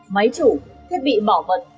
máy chủ thiết bị bỏ vật